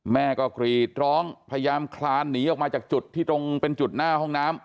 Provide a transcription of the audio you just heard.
แม่ก็กรีดร้องพยายามคลานหนีออกมาจากจุดที่ตรงเป็นจุดหน้าห้องน้ำ